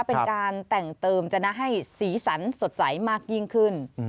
เป็นการแต่งเติมจะนะให้สีสันสดใสมากยิ่งขึ้น